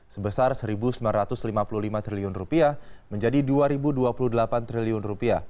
sebesar rp satu sembilan ratus lima puluh lima triliun menjadi rp dua dua puluh delapan triliun